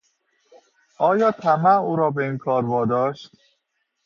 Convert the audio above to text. آیا طمع او را به این کار واداشت؟